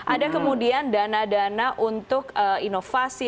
ada kemudian dana dana untuk inovasi